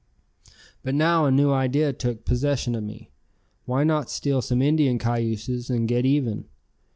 But now a new idea took possession of me. Why not steal some Indian cayuses and get even?